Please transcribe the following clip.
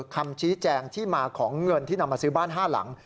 คำชี้แจงที่มาของเงินที่นำมาซื้อบ้าน๕หลัง